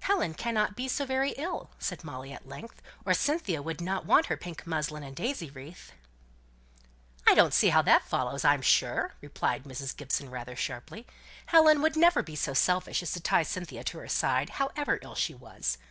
"Helen cannot be so very ill," said Molly at length, "or Cynthia would not want her pink muslin and daisy wreath." "I don't see that that follows, I'm sure," replied Mrs. Gibson rather sharply. "Helen would never be so selfish as to tie Cynthia to her side, however ill she was.